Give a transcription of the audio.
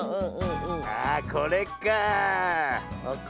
あこれかあ。